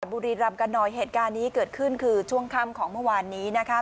บุรีรำกันหน่อยเหตุการณ์นี้เกิดขึ้นคือช่วงค่ำของเมื่อวานนี้นะคะ